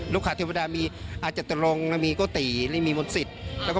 ลูกขาเทวดาอาจจะเตอะลงมีโกตี้มีมณศิษณ์